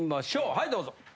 はいどうぞ！